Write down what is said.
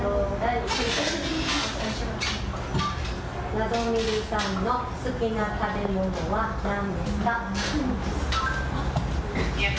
ラドミルさんの好きな食べ物はなんですか。